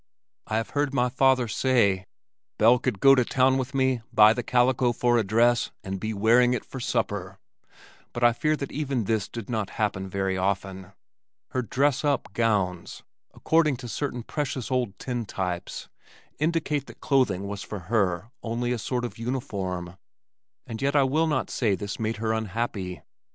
I have heard my father say, "Belle could go to town with me, buy the calico for a dress and be wearing it for supper" but I fear that even this did not happen very often. Her "dress up" gowns, according to certain precious old tintypes, indicate that clothing was for her only a sort of uniform, and yet I will not say this made her unhappy.